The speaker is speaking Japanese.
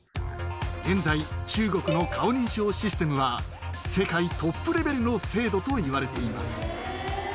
現在、中国の顔認証システムは、世界トップレベルの精度といわれています。